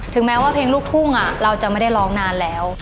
แม้ว่าเพลงลูกทุ่งเราจะไม่ได้ร้องนานแล้ว